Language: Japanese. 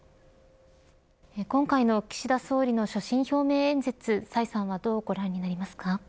今回の岸田総理の所信表明演説崔さんはどうご覧になりますか。